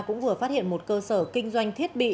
cũng vừa phát hiện một cơ sở kinh doanh thiết bị